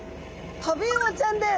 トビウオちゃんです。